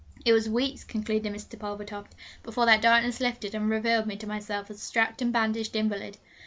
'It was weeks,' concluded Mr. Pulvertoft, 'before that darkness lifted and revealed me to myself as a strapped and bandaged invalid.